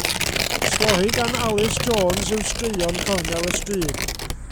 Stori gan Alys Jones yw Straeon Cornel y Stryd.